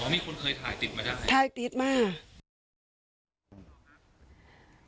มีคนเคยถ่ายติดมาได้ถ่ายติดมา